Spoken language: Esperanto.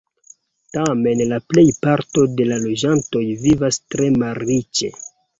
Tamen la plejparto de la loĝantoj vivas tre malriĉe.